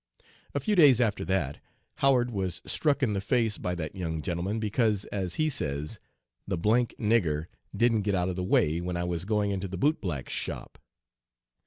"A few days after that, Howard was struck in the face by that young 'gentleman,' 'because,' as he says, 'the d d nigger didn't get out of the way when I was going into the boot black's shop.'